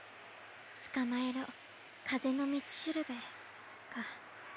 「つかまえろかぜのみちしるべ」か。